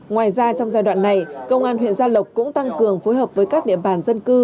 ngoài ra trong giai đoạn này công an huyện gia lộc cũng tăng cường phối hợp với các địa bàn dân cư